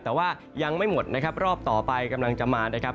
แต่ว่ายังไม่หมดนะครับรอบต่อไปกำลังจะมานะครับ